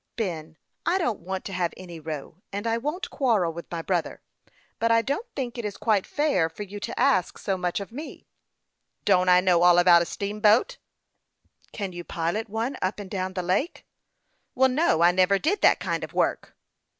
" Ben, I don't want to have any row ; and I won't quarrel with my brother ; but I don't think it is quite fair for you to ask so much of me." " Don't I know all about a steamboat ?"" Can you pilot one up and down the lake ?"" Well, no ; I never did that kind of work."